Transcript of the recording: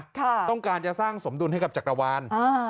มีความคงการจะสร้างสมดุลให้กับจักรวาล